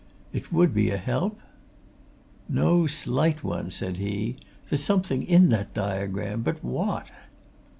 "It would be a help?" "No slight one!" said he. "There's something in that diagram. But what?"